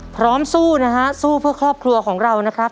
สู้นะฮะสู้เพื่อครอบครัวของเรานะครับ